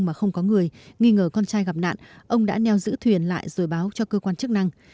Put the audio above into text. mà không có người nghi ngờ con trai gặp nạn ông đã neo giữ thuyền lại rồi báo cho cơ quan chức năng